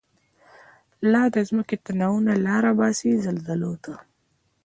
لا دځمکی تناوونه، لاره باسی زلزلوته